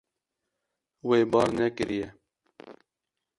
Wê bar nekiriye.